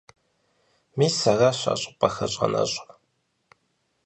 Мис аращ а щӀыпӀэхэр щӀэнэщӀыр.